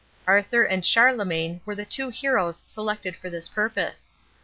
Arthur and Charlemagne were the two heroes selected for this purpose.